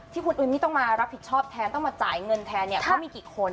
ที่คุณอุ๊ยไม่ต้องมารับผิดชอบแทนต้องมาจ่ายเงินแทนเนี่ยเขามีกี่คน